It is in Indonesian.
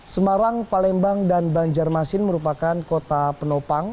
semarang palembang dan banjarmasin merupakan kota penopang